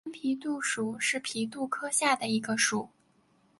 斑皮蠹属是皮蠹科下的一个属。